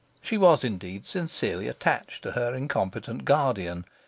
She was, indeed, sincerely attached to her incompetent guardian.